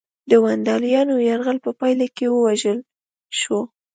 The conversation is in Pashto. د ونډالیانو یرغل په پایله کې ووژل شو